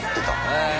へえ。